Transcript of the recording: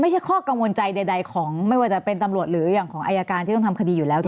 หรืออย่างของอายการที่ต้องทำคดีอยู่แล้ว